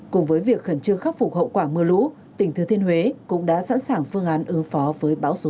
cùng với việc khẩn trương khắc phục hậu quả mưa lũ tỉnh thừa thiên huế cũng đã sẵn sàng phương án ứng phó với bão số năm